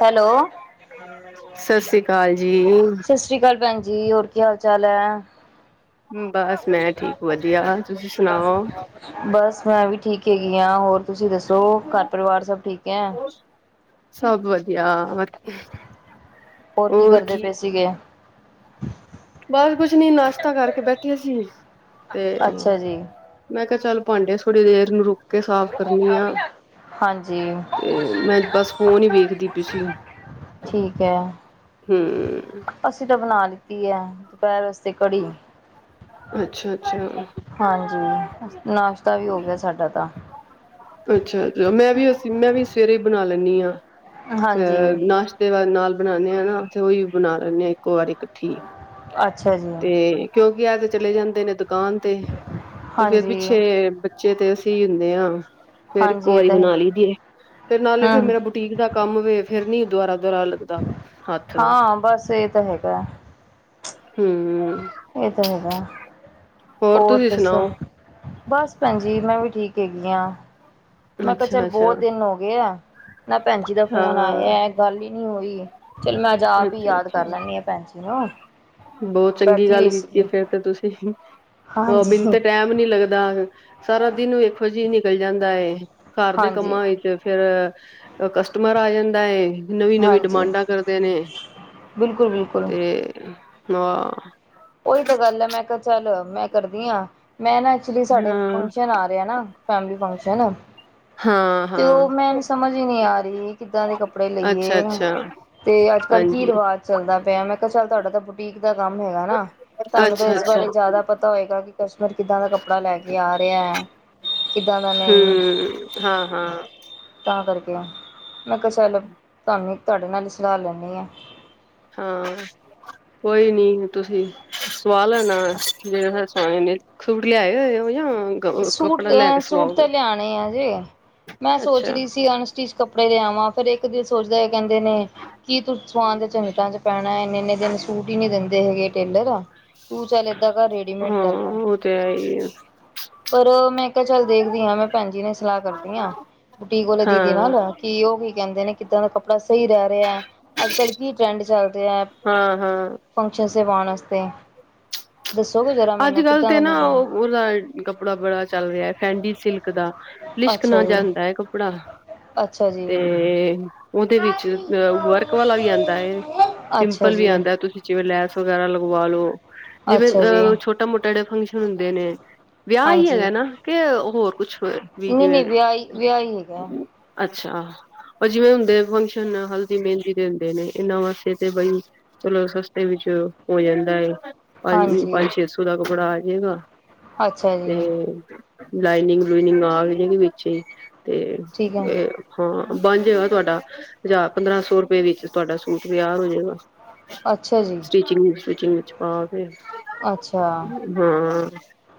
Hello. ਸਤਿ ਸ੍ਰੀ ਕਾਲ ਜੀ। ਸਤਿ ਸ਼੍ਰੀ ਕਾਲ ਭੈਨ ਜੀ। ਹੋਰ ਕੀ ਹਾਲ-ਚਾਲ ਐ? ਬਸ ਮੈਂ ਠੀਕ ਵਧੀਆ। ਤੁਸੀਂ ਸੁਨਾਓ? ਬਸ ਮੈਂ ਵੀ ਠੀਕ ਹੈਗੀ ਆ। ਹੋਰ ਤੁਸੀਂ ਦੱਸੋ ਘਰ ਪਰਿਵਾਰ ਸਬ ਠੀਕ ਐ? ਸਬ ਵਧੀਆ। [unintelligible] ਹੋਰ ਕੀ ਕਰਦੇ ਪਏ ਸੀਗੇ? ਬਸ ਕੁਛ ਨੀ ਨਾਸ਼ਤਾ ਕਰਕੇ ਬੈਠੇ ਸੀ ਤੇ ਅੱਛਾ ਜੀ। ਮੈਂ ਕਿਆ ਚੱਲ ਭਾਂਡੇ ਥੋੜ੍ਹੀ ਦੇਰ ਨੂੰ ਰੁਕ ਕੇ ਸਾਫ਼ ਕਰਨੀ ਆ। ਹਾਂਜੀ ਤੇ ਮੈਂ ਬਸ ਫੋਨ ਈ ਵੇਖਦੀ ਪਈ ਸੀ। ਠੀਕ ਐ। ਹਮ। ਅਸੀਂ ਤਾਂ ਬਨਾ ਲਿਤੀ ਐ ਦੁਪੈਰ ਵਸਤੇ ਕੜੀ। ਅੱਛਾ-ਅੱਛਾ। ਹਾਂਜੀ, ਨਾਸ਼ਤਾ ਵੀ ਹੋ ਗਿਆ ਸਾਡਾ ਤਾਂ। ਅੱਛਾ-ਅੱਛਾ ਮੈਂ ਵੀ ਅਸੀਂ ਮੈਂ ਵੀ ਸਵੇਰੇ ਬਨਾ ਲੈਂਨੀ ਆ ਹਾਂਜੀ ਅ-ਅ ਨਾਸ਼ ਤੇ ਨਾਲ ਬਣਾਨੇ ਆ ਨਾ ਉਈ ਬਨਾ ਲੈਂਨੇ ਆ ਇੱਕੋ ਵਾਰੀ ਕੱਠੀ ਅੱਛਾ ਜੀ ਤੇ ਕਿਉਂਕਿ ਐ ਤੇ ਚਲੇ ਜਾਂਦੇ ਨੇ ਦੁਕਾਨ ਤੇ, ਤੇ ਫੇਰ ਹਾਂਜੀ ਪਿੱਛੇ ਬ ਚੇ ਤੇ ਅਸੀਂ ਹੁੰਨੇ ਆ ਫੇਰ ਇੱਕੋ ਹਾਂਜੀ ਇਹ ਵਾਰੀ ਤਾਂ ਹੈ ਬਨਾ ਲਈਦੀ ਏ ਫੇਰ ਨਾਲੇ ਫੇਰ ਹਮ ਮੇਰਾ ਟੀਕ ਦਾ ਕੰਮ ਵੇ ਫੇਰ ਨੀ ਦੁਆਰਾ-ਦੁਆਰਾ ਲੱਗ ਹਾਂ ਬਸ ਏ ਤਾਂ ਹੈਗਾ। ਹਮ। ਐਤਾਂ ਹੈਗਾਾ ਹੋਰ ਤੁਸੀਂ ਦੱਸੋ। ਸੁਣਾਓ ਬਸ ਭੈਨ ਜੀ ਮੈਂ ਵੀ ਠੀਕ ਐਗੀ ਆ। ਮੈਂ ਕਿਆ ਅੱਛਾ ਚੱਲ ਅੱਛਾ ਬੋਤ ਦਿਨ ਹੋ ਗਏ ਆ ਨਾ ਭੈਣ ਜੀ ਦਾ ਫੋਨ ਹਾਂ ਆਇਆ। ਗੱਲ ਈ ਨੀ ਹੋਈ ਚੱਲ ਮੈਂ ਅੱਜ ਆਪ ਈ ਯਾਦ ਕਰ ਲੈਂਨੀ ਆਂ ਭੇਨ ਜੀ ਨੂੰ। ਬੋਤ ਚੰਗੀ ਬੈਠੀ ਗੱਲ ਹੋਈ ਕੀਤੀ ਏ ਸੀਗੀ ਫੇਰ ਤੇ ਤੁਸੀਂ ਬਿਨ ਹਾਂਜੀ ਤੇ ਟੈਮ ਨੀ ਲੱਗਦਾ ਸਾਰਾ ਦਿਨ ਵੇਖੋ ਜੀ ਨਿਕਲ ਜਾਂਦਾ ਏ ਘਰ ਦੇ ਹਾਂਜੀ ਕੰਮਾਂ 'ਚ। ਫਿਰ ਕਸਟਮਰ ਆ ਜਾਂਦਾ ਏ, ਨਵੀਂ -ਨਵੀਂ ਹਾਂਜੀ ਡਿਮਾਂਡਾਂ ਕਰ ਕਰਦੇ ਨੇ ਬਿਲਕੁਲ ਬਿਲਕੁਲ ਤੇ ਨਵਾਂ ਉਹੀ ਤਾਂ ਗੱਲ ਐ ਮੈਂ ਕਿਹਾ ਚੱਲ ਮੈਂ ਕਰਦੀ ਆ ਮੈਂ ਨਾ ਐਕਚੁਲੀ ਸਾਡੇ ਹਾਂ, ਫੰਕਸ਼ਨ ਆ ਰਿਹਾ ਨਾ ਫੈਮਲੀ ਫੰਕਸ਼ਨ ਹਾਂ ਤੇ ਹਾਂ ਉਹ ਮੈਨੂੰ ਸਮਝ ਈ ਨੀ ਆ ਰਹੀ ਕਿੱਦਾਂ ਦੇ ਕੱਪੜੇ ਅੱਛਾ, ਲਈਏ ਅੱਛਾ ਤੇ ਅੱਜ- ਕੱਲ੍ਹ ਕੀ ਹਾਂਜੀ ਰਿਵਾਜ਼ ਚੱਲਦਾ ਪਿਆ, ਮੈਂ ਕਿਹਾ ਚੱਲ ਤੁਹਾਡਾ ਤਾਂ ਬੁਟੀਕ ਦਾ ਕੰਮ ਹੈਗਾ ਨਾ ਤਾਨੂੰ ਤਾਂ ਅੱਛਾ, ਇਸ ਅੱਛਾ ਬਾਰੇ ਜ਼ਿਆਦਾ ਪਤਾ ਹੋਏਗਾ ਕਿ ਕਸ਼ਟਮਰ ਕਿੱਦਾਂ ਦਾ ਕੱਪੜਾ ਲੈ ਕੇ ਆ ਰਿਹਾ ਐ। ਹਮ, ਹਾਂ ਹਾਂ ਤਾਂ ਕਰਕੇ ਮੈਂ ਕਿਹਾ ਚੱਲ ਤਾਨੂੰ, ਤੁਹਾਡੇ ਨਾਲ ਈ ਸਲਾਹ ਲੈਂਨੀ ਆ। ਹਾਂ, ਕੋਈ ਨੀ ਤੁਸੀਂ ਸਵਾ ਲੈਣਾ ਜਿੜ ਨੀ, ਸੂਟ ਲਿਆਏ ਹੋਏ ਨਾ ਸੂਟ ਅ ਸੂਟ ਤਾਂ ਲਿਆਣੇ ਆਜੇ ਮੈਂ ਸੋਚ ਅੱਛਾ ਰਹੀ ਸੀ ਅਨਸਟਿ ਕੱਪੜੇ ਲਿਆਵਾਂ, ਫੇਿਰ ਇੱਕ ਦਿਨ ਸੋਚਦਾ ਕਹਿੰਦੇ ਨੇ ਕੀ ਤੂੰ ਸਵਾਨ ਦੇ ਝੰਜਟਾਂ ਚ ਪੈਣਾ ਇੰਨੇ- ਇੰਨੇ ਦਿਨ ਸੂਟ ਈ ਨੀ ਦਿੰਦੇ ਹੈਗੇ ਟੇਲਰ ਤੂੰ ਚੱਲ ਏਦਾਂ ਘਰ ਰੇਡੀਮੇਡ ਲੈ ਲੈ ਤੇੲਏਈ ਪਰ, ਮੈਂ ਕਿਹਾ ਚੱਲ ਦੇਖਦੀ ਆ ਮੈਂ ਭੈਣ ਜੀ ਨੇ ਸਲਾਹ ਕਰਦੀ ਆ, ਬੁਟੀਕ ਵਾਲੇ ਦੀਦੀ ਹਾਂ, ਨਾਲ ਕਿ ਉਹ ਕੀ ਕਹਿੰਦੇ ਨੇ ਕਿੱਦਾਂ ਦਾ ਕੱਪੜਾ ਸਹੀ ਰਹਿ ਰਿਹਾ, ਅੱਜ -ਕੱਲ੍ਹ ਕੀ ਟਰੈਂਡ ਚੱਲ ਰਿਹਾ। ਹਾਂ, ਹਾਂ ਫੰਕਸ਼ਨ ਸੇਵਾਉਣ ਵਾਸਤੇ ਦੱਸੋਗੇੁ ਜ਼ਾਰ ਮੈਨੂੰ ਕਿੱਦਾਂ ਦਾ ਮ ਲਣਾ ਦਾ ਕੱਪੜਾ ਬੜਾ ਚੱਲ ਰਿਹਾ ਹੈ ਫੈਂਡੀ ਸਿਲਕ ਦਾ ਅੱਛਾ ਲਿਸ਼ਕਣਾ ਜੀ ਜਾਂਦਾ ਐ ਕੱਪੜਾ, ਅੱਛਾ ਜੀ ਤੇ ਉਹਦੇ ਵਿੱਚ ਅ ਵਰਕ ਵਾਲਾ ਵੀ ਆਂਦਾ ਐ, ਅੱਛਾ ਸਿੰਪਲ ਵੀ ਜੀ ਆਂਦਾ ਤੁਸੀਂ ਲੈਸ ਵੇਗੇਰਾ ਲਗਵਾ ਲੋ ਜਿਵੇਂ ਅੱਛਾ ਜੀ ਅਹ ਛੋਟਾ- ਮੋਟਾ ਜਿਹੜੇ ਫੰਕਸ਼ਨ ਹੁੰਦੇ ਨੇ ਵਿਆਹ ਈ ਹਾਂਜੀ ਹੈਗਾ ਨਾ ਕਿ ਹੋਰ ਕੁਛ ਹੋ ਵੀ ਨਹੀਂ ਨਹੀਂ ਜਿਵੇਂ, ਵਿਆਹੀ ਵਿਆਹੀ ਹੈਗਾ ਅੱਛਾ ਜਿਵੇਂ ਹੁੰਦੇ ਫੰਕਸ਼ਨ ਹਲਦੀ ਮਹਿੰਦੀ ਦੇ ਹੁੰਦੇ ਨੇ ਇਹਨਾਂ ਵਾਸਤੇ ਤੇ ਬਈ। ਚਲੋ, ਸਸਤੇ ਵਿੱਚ ਹੋ ਜਾਂਦਾ ਏ। ਪੰਜ, ਹਾਂਜੀ ਪੰਜ-ਛੇ ਸੌ ਦਾ ਕੱਪੜਾ ਆ ਜਾਏਗਾ ਅੱਛਾ ਤੇ। ਜੀ ਲਾਈਨਿੰਗ-ਲੁਇਨਿੰਗ ਆ ਗਈ ਹੈਗੀ ਵਿੱਚ ਤੇ ਠੀਕ ਹੈ ਇਹ। ਹਾਂ, ਬਣ ਜਾਏਗਾ ਤੁਹਾਡਾ ਹਜ਼ਾਰ ਪੰਦਰਾਂ- ਸੌ ਰੁਪਏ ਵਿੱਚ ਤੁਹਾਡਾ ਸੂਟ ਤਿਆਰ ਹੋਜਏਗਾ। ਅੱਛਾ ਜੀ ਸਚਿੰਗ ਸਿਚਿੰਗ ਵਿੱਚ ਪਾ ਕੇ। ਅੱਛਾ, ਹਾਂ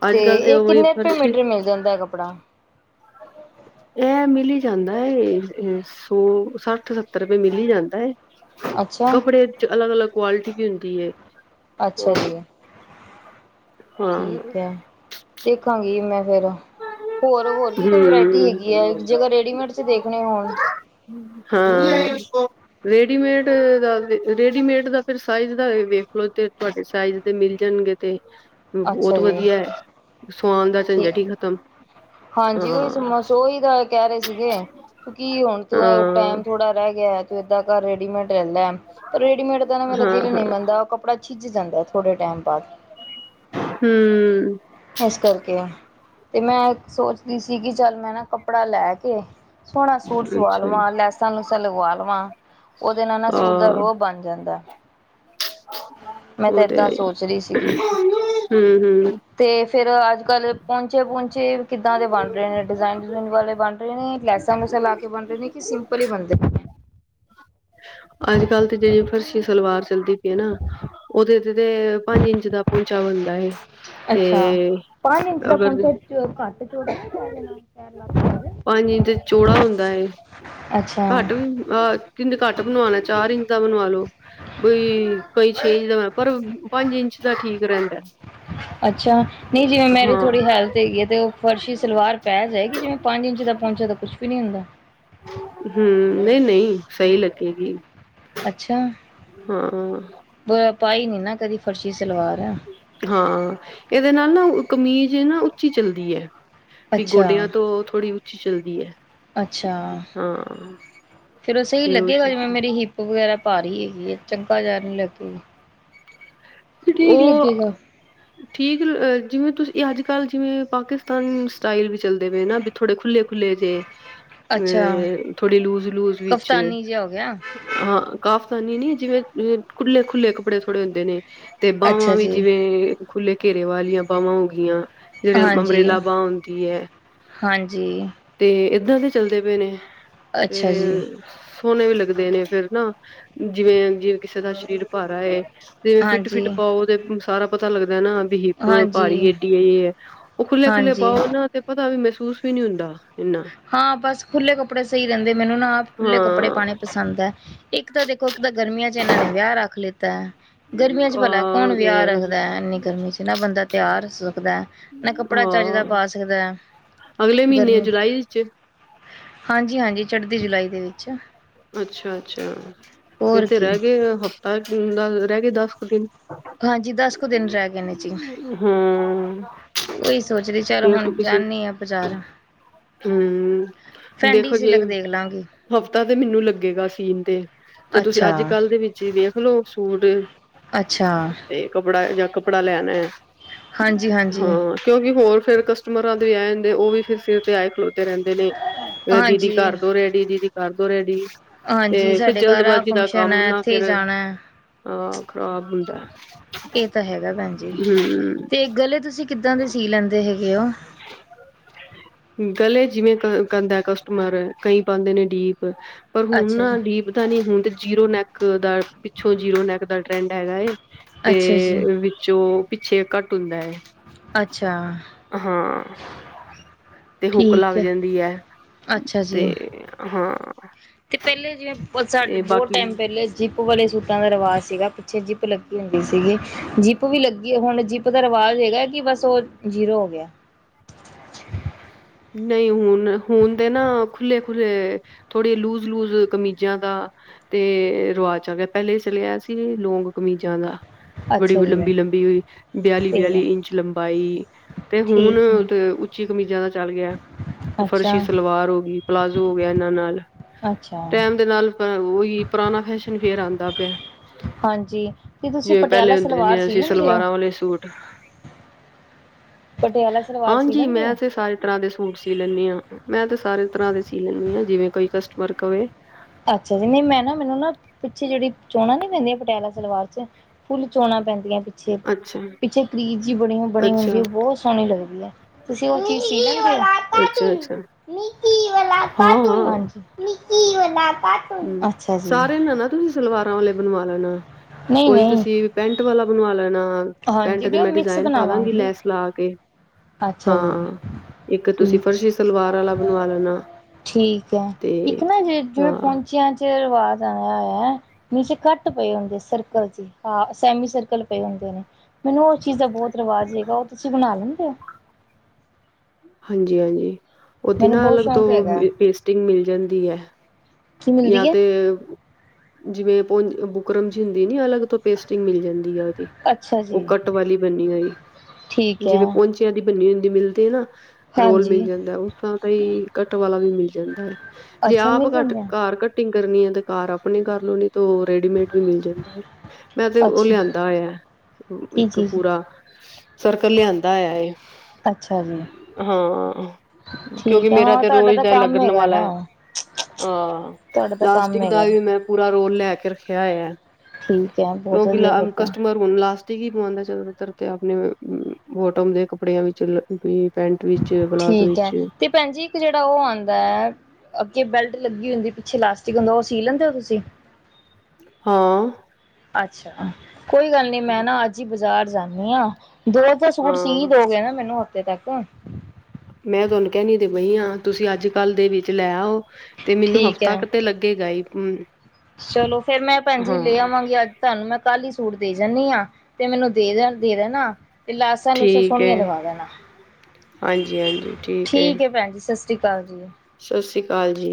ਅੱਜ ਤੇ ਕੱਲ ਇਹ ਉਹ ਕਿੰਨੇ ਰੁਪਏ ਫਰਸ਼ੀ ਮੀਟਰ ਮਿਲ ਜਾਂਦਾ ਐ ਕੱਪੜਾ। ਐਹ ਮਿਲ ਈ ਜਾਂਦਾ ਏ, ਸੌ ਸੱਠ ਸੱਤਰ ਕੋਈ ਮਿਲ ਈ ਜਾਂਦਾ ਏ ਅੱਛਾ ਕੱਪੜੇ ਚ ਅਲੱਗ-ਅਲੱਗ ਕੁਆਲਿਟੀ ਵੀ ਹੁੰਦੀ ਹੈ। ਅੱਛਾ ਜੀ। ਹਾਂ ਠੀਕ ਐ, ਦੇਖਾਂਗੀ ਮੈਂ ਫੇਿਰ। ਹੋਰ-ਹੋਰ ਵੀ ਕੋਈ ਵਰਾਇਟੀ ਹਮ ਹੈਗੀ ਏ ਜੇ ਕੋਈ ਰੈਡੀਮੇਡ ਚ ਦੇਖਣੇ ਹੋਣ। ਹਾਂ ਰੇਡੀਮੇਡ ਦਾ ਰੇਡੀਮੇਡ ਦਾ ਫਿਰ ਸਾਈਜ਼ ਦਾ ਵੇਖ ਲੋ ਤੇ ਤੁਹਾਡੇ ਸਾਈਜ਼। ਤੇ ਮਿਲ ਜਾਣਗੇ ਤੇ, ਅੱਛਾ ਬਹੁਤ ਜੀ ਵਧੀਆ ਏ ਸੁਆਨ ਦਾ ਠੀਕ ਝੰਜਟ ਈ ਖਤਮ। ਹਾਂਜੀ, ਉਹੀ ਹਾਂ ਸਮੋ ਓਹੀ ਦਾ ਕਹਿ ਰਹੇ ਸੀਗੇ ਕੀ ਹੁਣ ਤੂੰ ਹਾਂ ਟਾਈਮ ਥੋੜਾ ਰਹਿ ਗਿਆ ਏ, ਤੂੰ ਏਦਾਂ ਘਰ ਰੇਡੀਮੇਡ ਲੈਲੈ, ਰੇਡੀਮੇਡ ਦਾ ਨਾ ਮੇਰਾ ਹਾਂ ਦਿਲ ਹਾਂ ਨਹੀਂ ਮੰਨਦਾ। ਕਪੜਾ ਛਿੱਝ ਜਾਂਦਾ ਥੋੜੇ ਟੈਮ ਬਾਅਦ। ਹੂੰ। ਇਸ ਕਰਕੇ ਤੇ ਮੈਂ ਸੋਚਦੀ ਸੀਗੀ ਕਿ ਚੱਲ ਮੈਂ ਨਾ ਕੱਪੜਾ ਲੈ ਕੇ ਸੋਹਣਾ ਸੂਟ ਸਵਾ ਅੱਛਾ ਲਵਾਂ, ਲੈਸਾਂ-ਲੂਸਾਂ ਲਗਵਾ ਲਵਾਂ। ਓਦੇ ਨਾਲ ਨਾ ਸੂਟ ਦਾ ਹਾਂ ਰੋਬ ਬਣ ਜਾਂਦਾ। ਮੈਂ ਉਹ ਤਾਂ ਏਦਾਂ ਤੇ ਸੋਚ ਰਈ ਸੀਗੀ। ਹੂੰ ਹੂੰ ਤੇ ਫੇਰ ਅੱਜ-ਕੱਲ ਪੋਚੇ-ਪੁਚੇ ਕਿੱਦਾਂ ਦੇ ਬਣ ਰੇ ਨੇ, ਡਿਜ਼ਾਇਨ ਡਜੁਇਨ ਵਾਲੇ ਬਣ ਨਈ ਲੈਸਾਂ-ਲੂਸਾਂ ਲਾ ਕੇ ਬਣ ਰੇ ਨੇ, ਕਿ ਸਿੰਪਲ ਹੀ ਬਣਦੇ ਨੇ। ਅੱਜ-ਕੱਲ੍ਹ ਤੇ ਜੇੜੀ ਫਰਸ਼ੀ ਸਲਵਾਰ ਚੱਲਦੀ ਪੀ ਏ ਨਾ ਓਦੇ ਤੇ ਤੇ ਪੰਜ ਇੰਚ ਦਾ ਪੋਂਚਾ ਬਣਦਾ ਏ ਤੇ ਅਗਰ ਤੇ ਓ ਕੱਟ ਚੋੜਾ ਨੀ ਰੈ ਜਾਣਾ [unintelligible] ਪੰਜ ਇਚ ਚੌੜਾ ਹੁੰਦਾ ਏ, ਅੱਛਾ ਕੱਟ ਵੀ ਅਹ ਕੈਂਦੇ ਘੱਟ ਬਣਵਾਣਾ ਚਾਰ ਇੰਚ ਦਾ ਬਣਵਾਲੋ। ਬਈ ਕਈ ਛੇ ਇੰਚ ਦਾ ਪਰ ਪੰਜ ਇੰਚ ਦਾ ਠੀਕ ਰੈਂਦਾ। ਅੱਛਾ ਨਈ ਜਿਵੇਂ ਮੇਰੀ ਥੋੜ੍ਹੀ ਹੈਲਥ ਹੈਗੀ ਐ ਤੇ‌ ਓ ਫਰਸ਼ੀ ਸਲਵਾਰ ਪੈ ਜਾਏਗੀ ਜਿਵੇਂ ਪੰਜ ਇੰਚ ਦਾ ਪੋਂਚੇ ਤਾਂ ਕੁਛ ਵੀ ਨੀ ਹੁੰਦਾ। ਹੂੰ ਨਈ-ਨਈ ਸਈ ਲੱਗੇਗੀ। ਅੱਛਾ, ਹਾਂ ਪਾਈ ਨੀ ਨਾ ਕਦੀ ਫਰਸ਼ੀ ਸਲਵਾਰ। ਹਾਂ, ਇਦੇ ਨਾਲ ਨਾ ਕਮੀਜ਼ ਨਾ ਉੱਚੀ ਚੱਲਦੀਏ। ਵੀ ਅੱਛਾ, ਗੋਡੇਆਂ ਤੋਂ ਥੋੜ੍ਹੀ ਉੱਚੀ ਚੱਲਦੀ ਏ। ਅੱਛਾ, ਫੇਰ ਓ ਸਈ ਤੇ ਉਹ ਲੱਗੇਗਾ ਚੀਜ਼ ਜਿਵੇਂ ਮੇਰੀ ਹਿੱ ਪ ਵਗੈਰਾ ਪਾਰੀ ਹੈਗੀ ਏ, ਚਗਾ ਜਹਾ ਨੀ ਲੱਗੇਗਾ। ਓ ਠੀਕ, ਜਿਵੇਂ ਤੁਸੀਂ ਅੱਜ-ਕੱਲ ਜਿਵੇਂ ਪਾਕਿਸਤਾਨ ਸਟਾਈਲ ਵੀ ਚੱਲਦੇ ਪਏ ਨਾ, ਬੀ ਥੋੜ੍ਹੇ ਖੁੱਲ੍ਹੇ-ਖੁੱਲ੍ਹੇ ਜੇ ਅੱਛਾ ਅ ਥੋੜੀ ਲੂਜ-ਲੂਜ ਵਿੱਚ। ਕਫਤਾਨੀ ਜਿਹਾ ਹੋ ਗਿਆ। ਹਾਂ ਕਾਫ਼ਤਾਨੀ ਨੀ ਜਿਵੇਂ ਕੁਲ੍ਹੇ-ਖੁੱਲੇ ਕੱਪੜੇ ਥੋੜ੍ਹੇ ਹੁੰਦੇ ਨੇ। ਤੇ ਬਾਵਾਂ ਅੱਛਾ ਵੀ ਜੀ, ਜਿਵੇਂ, ਖੁੱਲੇ ਘੇਰੇ ਵਾਲੀਆਂ ਬਾਵਾਂ ਹੋਗੀਆਂ। ਜੇੜੇ ਹਾਂਜੀ, ਅੰਮਰੇਲਾ ਬਾਂ ਹੁੰਂਦੀ ਐ। ਹਾਂਜੀ। ਤੇ ਏਦਾਂ ਦੇ ਚੱਲਦੇ ਪੇ ਨੇ ਅੱਛਾ ਜੀ, ਤੇ ਸੋਹਣੇ ਵੀ ਲੱਗਦੇ ਨੇ ਫੇਰ ਨਾ, ਜਿਵੇਂ-ਜਿਵੇਂ ਕਿਸੇ ਦਾ ਸਰੀਰ ਭਾਰਾ ਏ। ਤੇ ਹਾਂਜੀ, ਫਿੱਟ-ਫਿੱਟ ਪਾਓ ਤੇ ਸਾਰਾ ਪਤਾ ਲੱਗਦਾ ਨਾ ਬ ਹਿੱਪ ਹਾਂਜੀ, ਪਾੱਰੀ ਏਡੀਏ, ਓ ਖੁੱਲ੍ਹੇ-ਖੁੱਲੇ ਹਾਂਜੀ। ਪਾਓ ਨਾ ਤੇ ਪਤਾ ਵੀ ਮਹਿਸੂਸ ਵੀ ਨੀ ਹੁੰਦਾ। ਇੰਨਾ ਹਾਂ, ਬਸ ਖੁੱਲੇ ਕੱਪੜੇ ਸਈ ਰੈਂਦੇ ਮੈਨੂੰ ਨਾ ਆਪ ਖੁੱਲੇ ਕੱਪੜੇ ਹਾਂ ਪਾਣੇ ਪਸੰਦ ਐ। ਇੱਕ ਇੱਕ ਤਾਂ ਦੇਖੋ ਇੱਕ ਤਾਂ ਗਰਮੀਆਂ ਚ ਐਨਾਂ ਨੇ ਵਿਆਹ ਰੱਖ ਲੀਤਾ ਗਰਮੀਆਂ ਚ ਪਲਾ ਕੌਣ ਆਹ ਤੇ ਵਿਆਹ ਰੱਖਦਾ ਇੰਨੀ ਗਰਮੀ ਚ ਨਾ ਬੰਦਾ ਤਿਆਰ ਹੋ ਸਕਦਾ, ਨਾ ਕਪੜਾ ਚੱਜ ਦਾ ਹਾਂ ਪਾ ਸਕਦਾ ਤੇ ਅਗਲੇ ਮੀਨੇ ਜੁਲਾਈ ਏਚ। ਹਾਂਜੀ-ਹਾਂਜੀ ਚੜ੍ਹਦੀ ਜੁਲਾਈ ਦੇ ਵਿੱਚ। ਅੱਛਾ-ਅੱਛਾ, ਫਿਰ ਹੋਰ ਤੇ ਕੀ ਰੈ ਗਏ ਹਫ਼ਤਾ ਜੂਨ ਦਾ ਰੈਗੇ ਦਸ ਕੁ ਦਿਨ। ਹਾਂਜੀ ਦਸ ਕੁ ਦਿਨ ਰੈ ਗਏ ਨੇ ਜੀ। ਹੂੰ। ਓਈ ਸੋਚਰੀ ਚੱਲ ਹੁਣ ਜਾਂਣੀ ਆ ਬਜ਼ਾਰ। ਹੂੰ, ਦੇਖੋ ਜੀ ਸਿਲਕ ਦੇਖ ਲਾਂਗੀ ਹਫ਼ਤਾ ਤੇ ਮੈਨੂੰ ਲੱਗੇਗਾ ਸੀਨ ਤੇ, ਤੇ ਤੁਸੀਂ ਅੱਛਾ ਅੱਜ-ਕੱਲ੍ਹ ਦੇ ਵਿੱਚ ਵੇਖ ਲੋ ਸੂਟ। ਅੱਛਾ। ਤੇ ਕੱਪੜਾ ਜਾਂ ਕੱਪੜਾ ਲੈਣਾ, ਹਾਂਜੀ ਹਾਂਜੀ ਹਾਂ। ਕਿਉਂਕਿ ਹੋਰ ਫੇ਼ਰ ਕਸਟਮਰਾਂ ਦੇ ਵੀ ਆਂਦੇ ਉ ਵੀ ਫੇ਼ਰ ਸਿਰ ਤੇ ਆਏ ਖਲੋਤੇ ਰਹਿੰਦੇ ਨੇ। ਏ ਦੀਦੀ ਹਾਂਜੀ ਕਰਦੋ ਰੈਡੀ-ਦੀਦੀ ਕਰਦੋ ਰੈਡੀ। ਹਾਂਜੀ ਤੇ ਫ਼ਿਰ ਸਾਡੇ ਘਰ ਆ ਜਲਦਬਾਜ਼ੀ ਦਾ ਫੰਕਸ਼ਨ ਕੰਮ ਹੈ ਨਾ ਇੱਥੇ ਫ਼ਿਰ ਜਾਣਾ ਹੈ ਆ ਖਰਾਬ ਹੁੰਦਾ। ਏ ਤਾਂ ਹੈਗਾ ਭੈਣ ਜੀ, ਹਮ। ਤੇ ਗਲੇ ਤੁਸੀਂ ਕਿੱਦਾਂ ਦੇ ਸੀ ਲੈਂਦੇ ਹੈਗੇ ਹੋ? [unintelligible] ਗਲੇ ਜਿਵੇਂ ਕ ਕਹਿੰਦਾ ਕਸਟਮਰ ਕਈ ਪਾਂਦੇ ਨੇ ਡੀਪ। ਪਰ ਹੁਣ ਅੱਛਾ ਨਾ ਜੀ ਡੀਪ ਦਾ ਨੀ ਹੁਣ ਤੇ ਜੀਰੋ ਨੈਕ ਦਾ ਪਿੱਛੋਂ ਜੀਰੋ ਨੈਕ ਦਾ ਟਰੈਂਡ ਹੈਗਾ ਏ। ਅੱਛਾ ਜੀ ਤੇ ਵਿੱਚੋਂ ਪਿੱਛੇ ਕਟ ਹੁੰਦਾ ਏ। ਅੱਛਾ! ਹਾਂ। ਤੇ ਹੁੱਕ ਠੀਕ ਲੱਗ ਹੈ ਜਾਂਦੀ ਐ, ਅੱਛਾ ਜੀ ਤੇ ਹਾਂ। ਤੇ ਪਹਿਲੇ ਜਿਵੇਂ ਸਾਡੇ ਤੇ ਬਹੁਤ ਬਾਕੀ ਟੈਮ ਪਹਿਲੇ ਜਿਪ ਵਾਲੇ ਸੂਟਾਂ ਦਾ ਰਿਵਾਜ਼ ਸੀਗਾ, ਪਿੱਛੇ ਜਿਪ ਲੱਗੀ ਹੁੰਦੀ ਸੀਗੀ ਜਿਪ ਵੀ ਲੱਗੀ ਹੁਣ ਜਿਪ ਉਹਦਾ ਰਿਵਾਜ਼ ਹੈਗਾ ਕਿ ਬਸ ਉਹ ਜੀਰੋ ਹੋ ਗਿਆ। ਨਹੀਂ ਹੁਣ-ਹੁਣ ਤੇ ਨਾ ਖੁੱਲੇ-ਖੁੱਲ੍ਹੇ ਥੋੜੇ ਲੂਜ਼-ਲੂਜ਼ ਕਮੀਜ਼ਾਂ ਦਾ ਤੇ ਰਿਵਾਜ਼ ਆ ਗਿਆ ਪਹਿਲੇ ਸਿਲਿਆ ਸੀ ਲੌਂਗ ਕਮੀਜ਼ਾਂ ਦਾ। ਬੜੀ ਬ ਅੱਛਾ ਜੀ ਲੰਬੀ-ਲੰਬੀ, ਤੇ ਬਿਆਲੀ-ਬਿਆਲੀ ਇੰਚ ਲੰਬਾਈ। ਤੇ ਹੁਣ ਠੀਕ ਹੈ ਤੇ ਉੱਚੀ ਕਮੀਜ਼ਾਂ ਦਾ ਚੱਲ ਫਰਸ਼ੀ ਅੱਛਾ ਸਲਵਾਰ ਹੋ ਗਈ, ਪਲਾਜ਼ੋ ਹੋ ਗਿਆ ਇਹਨਾਂ ਨਾਲ, ਅੱਛਾ ਟੈਮ ਦੇ ਨਾਲ ਉਹੀ ਪਰਾਣਾ ਫੈਸ਼ਨ ਫੇ਼ਰ ਆਂਦਾ ਪਿਆ। ਹਾਂਜੀ ਤੇ ਤੁਸੀਂ ਜਿਵੇਂ ਪਹਿਲੇ ਪਟਿਆਲਾ ਸਲਵਾਰ ਹੁੰਦੇ-ਹੁੰਦੇਆਂ ਸੀ ਲੈਂਦੇ ਹੋ ਸਲਵਾਰਾਂ ਵਾਲੇ ਸੂਟ। ਪਟਿਆਲਾ ਸਲਵਾਰ ਸੀ ਹਾਂਜੀ, ਲੈਂਦੇ ਮੈਂ ਹੋ? ਤੇ ਸਾਰੇ ਤਰ੍ਹਾਂ ਦੇ ਸੂਟ ਸੀ ਲੈਂਨੀ ਆਂ, ਮੈਂ ਤੇ ਸਾਰੇ ਤਰ੍ਹਾਂ ਦੇ ਸੀ ਲੈਂਨੀ ਆਂ ਜਿਵੇਂ ਕੋਈ ਕਸਟਮਰ ਕਵੇ। ਅੱਛਾ ਜੀ, ਨੀ ਮੈਂ ਨਾ ਮੈਨੂੰ ਨਾ ਪਿੱਛੇ ਜਿਹੜੀ ਚੋਣਾਂ ਨੀ ਪੈਂਦੀਆਂ ਪਟਿਆਲਾ ਸਲਵਾਰ 'ਚ ਫੁੱਲ ਚੋਣਾਂ ਪੈਂਦੀਆਂ ਅੱਛਾ, ਪਿੱਛੇ-ਪਿੱਛੇ ਕਰੀਜ ਜੀ ਬਣੀ-ਬਣੀ ਹੁੰਦੀ, ਅੱਛਾ, ਉਹ ਬਹੁਤ ਸੋਹਣੀ ਲੱਗਦੀ ਐ। ਤੁਸੀਂ ਉਹ ਚੀਜ਼ ਸੀ ਲਦੇ ਓ। ਅੱਛਾ-ਅੱਛਾ, ਹਾਂ-ਹਾਂ। ਨਿੱ ਕਿ ਰੋਲਾ ਪਾਤ ਹੂੰ ਸਾਰੇ ਨੇ ਨਾ ਤੁਸੀਂ ਸਲਵਾਰਾਂ ਵਾਲੇ ਬਣਵਾ ਲੈਣਾ ਕੋਈ ਨਹੀਂ ਤੁਸੀਂ ਪੈਂਟ ਵਾਲਾ ਬਣਵਾ ਲੈਣਾ ਪੈਂਟ ਹਾਂਜੀ ਦੇ ਨਹੀਂ ਉਹ ਮੈਂ ਮਿਕਸ ਡਿਜ਼ਾਇਨ ਪਾ ਦਾਂਗੀ ਬਣਾਵਾਂਗੀ। ਲੈਸ ਲਾ ਕੇ। ਅੱਛਾ ਜੀ! ਹਾਂ ਇੱਕ ਤੁਸੀਂ ਠੀਕ ਫਰਸ਼ੀ ਸਲਵਾਰ ਵਾਲਾ ਬਣਵਾ ਲੈਣਾ। ਠੀਕ ਐ, ਤੇ ਇੱਕ ਨਾ ਜੇ ਜਿਵੇਂ ਹਾਂ ਪਹੁੰਚਿਆਂ 'ਚ ਰਿਵਾਜ਼ ਆਇਆ ਹੋਇਆ। ਨੀਚੇ ਕਟ ਪਏ ਹੁੰਦੇ ਸਰਕਲ ਜੇ ਹਾਂ, ਸੈਮੀ ਸਰਕਲ ਪਏ ਹੁੰਦੇ ਨੇ। ਮੈਨੂੰ ਉ ਚੀਜ਼ ਦਾ ਬਹੁਤ ਰਿਵਾਜ ਹੈਗਾ ਉ ਤੁਸੀਂ ਬਣਾ ਲੈਂਦੇ ਓ? ਹਾਂਜੀ-ਹਾਂਜੀ, ਓਦੀ ਮੈਨੂੰ ਨਾ ਬਹੁਤ ਅਲੱਗ ਤੋਂ ਸ਼ੌਕ ਹੈਗਾ। ਪੇਸਟਿੰਗ ਮਿਲ ਜਾਂਦੀ ਐ। ਕੀ ਜਾਂ ਮਿਲਦੀ ਹੈ ਤੇ ਜਿਵੇਂ ਪੋਂ ਬੁਕਰਮ ਜੀ ਹੁੰਦੀ ਨੀ ਅਲੱਗ ਤੋਂ ਪੇਸਟਿੰਗ ਮਿਲ ਜਾਂਦੀ ਆ ਏਦੀ। ਅੱਛਾ ਉ ਜੀ ਕੱਟ ਵਾਲੀ ਬੰਨੀ ਹੋਈ ਠੀਕ ਹੈ ਜਿਵੇਂ ਪਹੁੰਚ ਦੀ ਬੰਨੀ ਹੁੰਦੀ ਮਿਲਦੀ ਨਾ ਰੋਲ ਮਿਲ ਹਾਂਜੀ ਜਾਂਦਾ ਉਸ ਤਰਾਂ ਦਾ ਹੀ ਕੱਟ ਵਾਲਾ ਵੀ ਮਿਲ ਜਾਂਦਾ। ਜੇ ਅੱਛਾ ਆਪ ਮਿਲ ਜਾਂਦਾ ਘਰ ਕੱਟਿੰਗ ਕਰਨੀ ਆ ਤੇ ਘਰ ਅਪਣੇ ਕਰ ਲੋ ਨਈਂ ਤੇ ਓ ਰੇਡੀਮੇਡ ਵੀ ਮਿਲ ਜਾਂਦੀ ਏ। ਮੈਂ ਤੇ ਓ ਅੱਛਾ ਲਿਆਂਦਾ ਹੋਆ ਕੀ ਇੱਕ ਚੀਜ਼ ਪੂਰਾ ਸਰਕਲ ਲਿਆਂਦਾ ਹੋਆ ਏ। ਅੱਛਾ ਜੀ ਹਾਂ, ਕਿਉਂਕਿ ਠੀਕ ਹੈ ਮੇਰਾ ਹਾਂ ਤੇ ਤੁਹਾਡਾ ਰੋਜ ਤਾਂ ਦਾ ਕੰਮ ਲੱਗਣ ਹੈਗਾ ਨਾ ਵਾਲਾਏ। ਆ। ਤੁਹਾਡਾ ਤਾਂ ਕੰਮ ਲਾਸਟਿਕ ਦਾ ਹੈਗਾ ਵੀ ਮੈਂ ਪੂਰਾ ਰੋਲ ਲੈਕੇ ਰੱਖਿਆ ਹੋਆ, ਠੀਕ ਹੈ ਬਹੁਤ ਕਿਉਂਕਿ ਵਧੀਆ ਫਿਰ ਤਾਂ ਕਸ ਪਰ ਹੁਣ ਲਾਸਟਿਕ ਈਂ ਪਵਾਉਂਦਾ ਜਾਦਾਤਰ ਤੇ ਅਪਣੇ ਬੋਟਮ ਦੇ ਕੱਪੜਿਆਂ ਵਿੱਚ ਵੀ ਪੈਂਟ ਵਿੱਚ, ਪਲਾਜ਼ੋ ਠੀਕ ਹੈ ਵਿੱਚ। ਤੇ ਭੈਣ ਜੀ, ਇੱਕ ਜੇੜਾ ਓ ਆਂਦੈ ਅੱਗੇ ਬੈਲਟ ਲੱਗੀ ਹੁੰਦੀ ਏ, ਪਿੱਛੇ ਲਾਸਟਿਕ ਹੁੰਦਾ ਓ ਸੀ ਲੈਂਦੇ ਓ ਤੁਸੀਂ ਹਾਂ। ਅੱਛਾ, ਕੋਈ ਗੱਲ ਨਈਂ ਮੈਂ ਨਾ ਅੱਜ ਈ ਬਾਜਾਰ ਜਾਂਨੀ ਆਂ, ਦੋ ਸੂਟ ਸੀ ਹਾਂ ਦੋਗੇ ਨਾ ਮੈਨੂੰ ਹਫਤੇ ਤੱਕ ਮੈਂ ਤੁਆਨੂੰ ਕੈਣੀ ਤੇ ਪਈ ਆਂ, ਤੁਸੀਂ ਅੱਜ-ਕੱਲ ਦੇ ਵਿੱਚ ਲੈ ਆਓ। ਤੇ ਮੈਨੂੰ ਠੀਕ ਹਫਤਾ ਹੈ ਕ ਤੇ ਲੱਗੇ ਗਾ ਈ। ਚਲੋ ਫੇਰ, ਮੈਂ ਭੈਣ ਜੀ ਲੇ ਆਵਾਂਗੀ ਅੱਜ। ਤੁਆਨੂੰ ਮੈਂ ਕੱਲ ਈ ਸੂਟ ਦੇ ਜਾਨੀ ਆ, ਤੇ ਮੈਨੂੰ ਦੇ ਦੇ ਦੇਣਾ। ਤੇ ਲਾਸਾਂ-ਲੂਸਾਂ ਠੀਕ ਹੈ ਸੋਹਣੀਆਂ ਲਗਾ ਦੇਣਾ, ਹਾਂਜੀ ਹਾਂਜੀ ਠੀਕ ਐ ਭੈਣ ਜੀ ਸਸ ਰੀ ਕਾਲ ਜੀ ਸ਼ਸ੍ਰੀ ਕਾਲ ਜੀ।